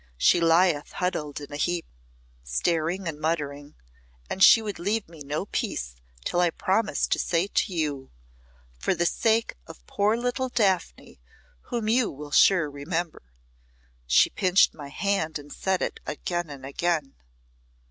"She lieth huddled in a heap, staring and muttering, and she would leave me no peace till I promised to say to you, 'For the sake of poor little Daphne, whom you will sure remember.' She pinched my hand and said it again and again."